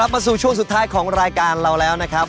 มาสู่ช่วงสุดท้ายของรายการเราแล้วนะครับ